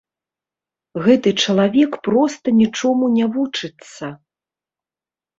Гэты чалавек проста нічому не вучыцца!